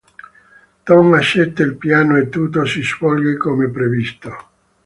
Tom accetta il piano e tutto si svolge come previsto.